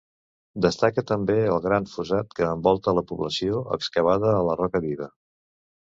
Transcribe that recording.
Destaca també el gran fossat que envolta la població, excavat a la roca viva.